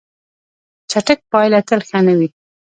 چټک پایله تل ښه نه وي.